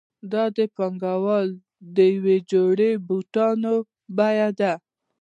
دا د پانګوال د یوې جوړې بوټانو بیه ده